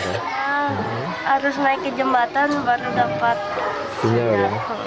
harus naik ke jembatan baru dapat saya